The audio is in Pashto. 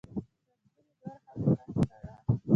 زنګون یې نور هم کت کړ، اخ.